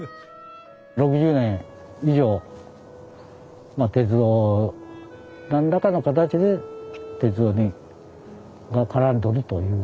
６０年以上鉄道何らかの形で鉄道が絡んどるという。